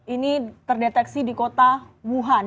ini terdeteksi di kota wuhan